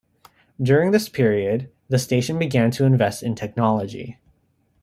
During this period, the station began to invest in technology.